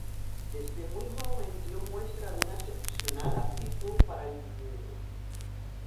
Desde muy joven dio muestra de una excepcional aptitud para el dibujo.